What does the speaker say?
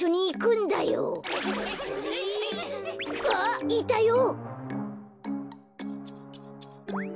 あっいたよ！